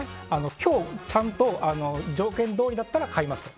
今日ちゃんと条件どおりだったら買いますと。